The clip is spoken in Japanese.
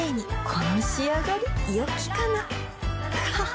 この仕上がりよきかなははっ